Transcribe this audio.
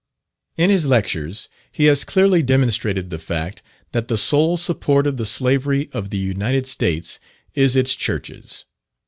In his lectures he has clearly demonstrated the fact, that the sole support of the slavery of the United States is its churches.